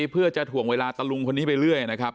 เพื่อจะถ่วงเวลาตะลุงคนนี้ไปเรื่อยนะครับ